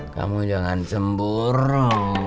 kamu jangan cemburu